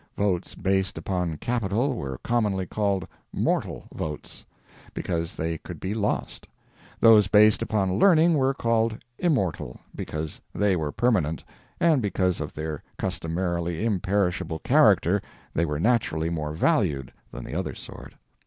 Votes based upon capital were commonly called "mortal" votes, because they could be lost; those based upon learning were called "immortal," because they were permanent, and because of their customarily imperishable character they were naturally more valued than the other sort.